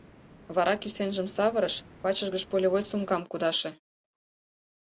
Вара кӱсенжым савырыш, вачыж гыч полевой сумкам кудаше.